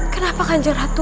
kenapa kanjeng ratu